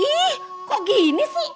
ih kok gini sih